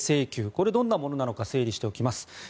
これがどんなものなのか整理しておきます。